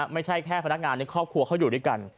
ไม่ใช่แค่พนักงานในครอบครัวเขาอยู่ด้วยกัน